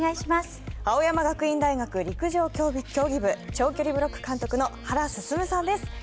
青山学院大学陸上競技部長距離ブロック監督の原晋さんです。